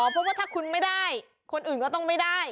เพราะว่าถ้าคุณไม่ได้คนอื่นก็ต้องไม่ได้